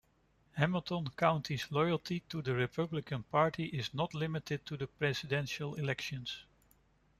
Hamilton County's loyalty to the Republican Party is not limited to presidential elections.